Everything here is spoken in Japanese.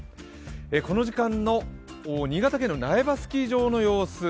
この時間の新潟県の苗場スキー場の様子。